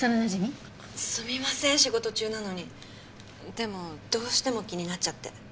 でもどうしても気になっちゃって。